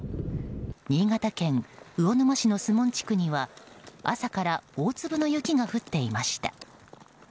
新潟県魚沼市の守門地区には朝から大粒の雪が降っていました。